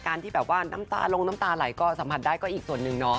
ที่แบบว่าน้ำตาลงน้ำตาไหลก็สัมผัสได้ก็อีกส่วนหนึ่งเนาะ